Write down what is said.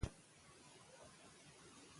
زده کړه د کورنۍ روغتیا تضمینوي۔